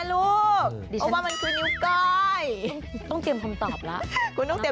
แน่นอนสิ